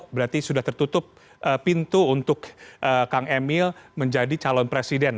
berarti sudah tertutup pintu untuk kang emil menjadi calon presiden